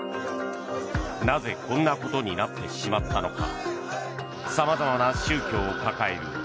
なぜ、こんなことになってしまったのか。